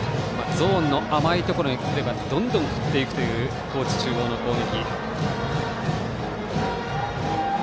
ゾーンの甘いところにくればどんどん振っていくという高知中央の攻撃。